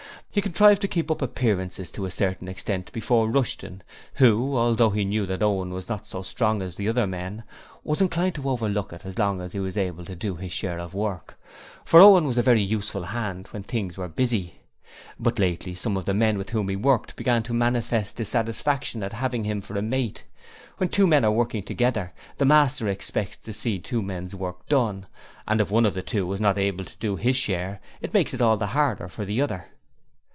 He contrived to keep up appearances to a certain extent before Rushton, who, although he knew that Owen was not so strong as the other men, was inclined to overlook it so long as he was able to do his share of work, for Owen was a very useful hand when things were busy. But lately some of the men with whom he worked began to manifest dissatisfaction at having him for a mate. When two men are working together, the master expects to see two men's work done, and if one of the two is not able to do his share it makes it all the harder for the other.